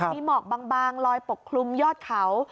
มีหมอกบางลอยปกคลุมยอดเขา